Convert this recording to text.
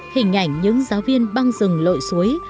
hình ảnh những giáo viên băng rừng lội suối